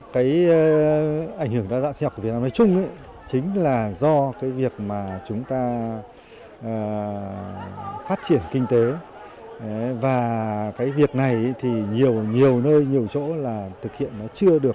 cái ảnh hưởng đa dạng sinh học của việt nam nói chung chính là do cái việc mà chúng ta phát triển kinh tế và cái việc này thì nhiều nhiều nơi nhiều chỗ là thực hiện nó chưa được